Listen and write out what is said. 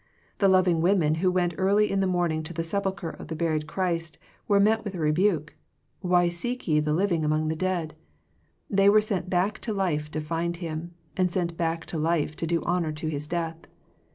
The loving women who went early in the morning to the sepulchre of the buried Christ were met with a re buke, "Why seek ye the living among the dead ?'• They were sent back to life to find Him, and sent back to life to do honor to His death.